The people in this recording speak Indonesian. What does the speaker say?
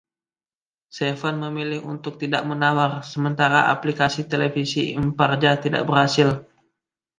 Seven memilih untuk tidak menawar, sementara aplikasi Televisi Imparja tidak berhasil.